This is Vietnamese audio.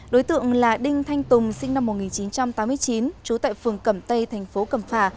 đối tượng là đinh thanh tùng sinh năm một nghìn chín trăm tám mươi chín trú tại phường cẩm tây thành phố cẩm phả